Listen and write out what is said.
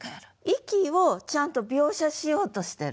息をちゃんと描写しようとしてると。